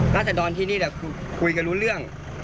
รัฐสดรที่นี่คุยกับรู้เรื่อง